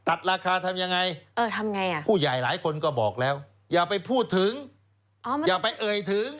ตัดราคาทำยังไงทำไงผู้ใหญ่หลายคนก็บอกแล้วอย่าไปพูดถึงอย่าไปเอ่ยถึง